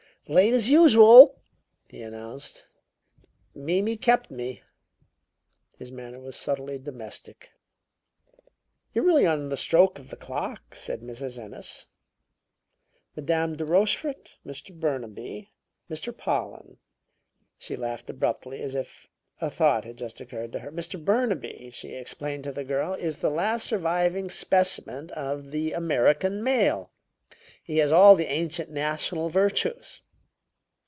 "Late as usual!" he announced. "Mimi kept me!" His manner was subtly domestic. "You're really on the stroke of the clock," said Mrs. Ennis. "Madame de Rochefort Mr. Burnaby Mr. Pollen." She laughed abruptly, as if a thought had just occurred to her. "Mr. Burnaby," she explained to the girl, "is the last surviving specimen of the American male he has all the ancient national virtues.